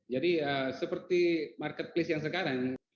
jadi seperti marketplace yang sekarang